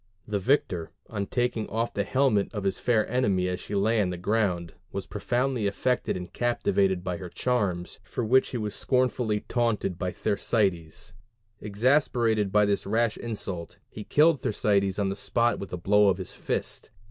The victor, on taking off the helmet of his fair enemy as she lay on the ground, was profoundly affected and captivated by her charms, for which he was scornfully taunted by Thersites; exasperated by this rash insult, he killed Thersites on the spot with a blow of his fist.